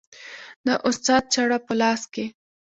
د استاد چاړه په لاس کې